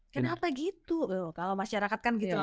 kenapa gitu kalau masyarakat kan gitu langsung